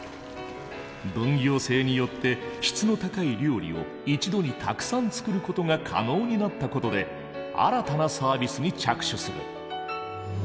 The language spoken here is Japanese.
分業制によって質の高い料理を一度にたくさん作ることが可能になったことで新たなサービスに着手する。